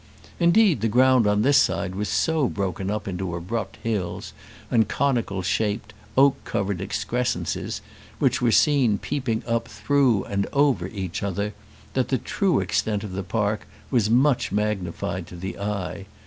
Indeed, the ground on this side was so broken up into abrupt hills, and conical shaped, oak covered excrescences, which were seen peeping up through and over each other, that the true extent of the park was much magnified to the eye.